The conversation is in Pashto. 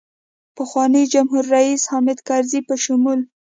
پخواني جمهورریس حامدکرزي په شمول.